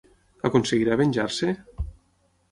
Aconseguirà venjar-se?